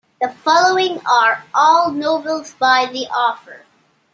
The following are all novels by the author.